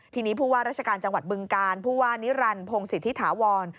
ทีนี้ผู้ว่าราชการจังหวัดบึงกาลผู้ว่านิรันดิพงศิษฐิถาวร